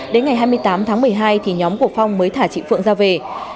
đến ngày hai mươi tám tháng một mươi hai thì nhóm của phong mới thả chị phượng ra về